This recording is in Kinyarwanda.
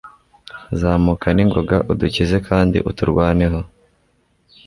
zamuka n'ingoga udukize kandi uturwaneho